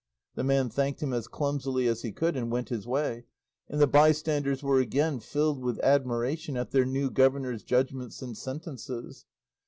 The man thanked him as clumsily as he could and went his way, and the bystanders were again filled with admiration at their new governor's judgments and sentences.